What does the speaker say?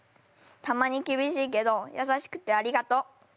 たまにきびしいけどやさしくてありがとう。